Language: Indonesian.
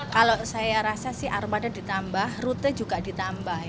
kalau saya rasa sih armada ditambah rute juga ditambah